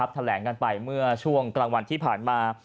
แถลงกันไปเมื่อช่วงกลางวันที่ผ่านมา